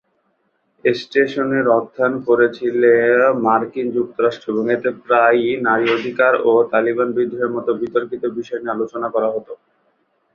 স্টেশনের অর্থায়ন করেছিল মার্কিন যুক্তরাষ্ট্র এবং এতে প্রায়ই নারী অধিকার ও তালিবান বিদ্রোহের মতো বিতর্কিত বিষয় নিয়ে আলোচনা করা হতো।